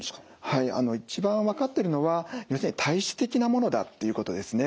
はいあの一番分かってるのは要するに体質的なものだっていうことですね。